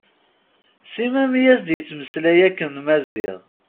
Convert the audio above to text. Sima mi as-d-yettmeslay akken Maziɣ.